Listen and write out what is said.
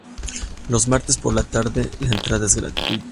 Los martes por la tarde la entrada es gratuita.